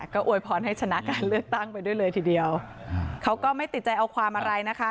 ก็อวยพรให้ชนะการเลือกตั้งไปด้วยเลยทีเดียวเขาก็ไม่ติดใจเอาความอะไรนะคะ